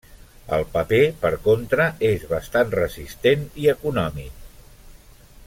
El paper, per contra, és bastant resistent i econòmic.